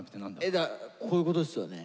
えだからこういうことですよね。